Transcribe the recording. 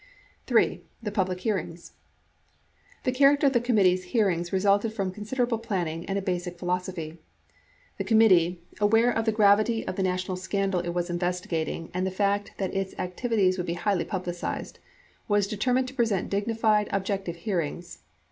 III. THE PUBLIC HEARINGS The character of the committee's hearings resulted from considerable planning and a basic philosophy. The committee, aware of the gravity of the national scandal it was investigating and the fact that its activi ties would be highly publicized, was determined to present dignified, objective hearings.